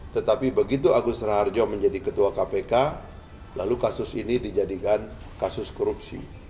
tetapi begitu agus raharjo menjadi ketua kpk lalu kasus ini dijadikan kasus korupsi